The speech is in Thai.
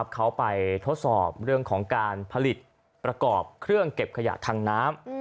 เขาไปทดสอบเรื่องของการผลิตประกอบเครื่องเก็บขยะทางน้ำ